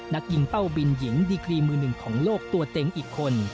นักยิงเป้าบินหญิงดีกรีมือหนึ่งของโลกตัวเต็งอีกคน